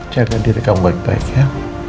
jangan diri kamu baik baik ya